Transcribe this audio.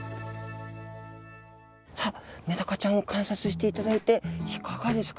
さあメダカちゃん観察していただいていかがですか？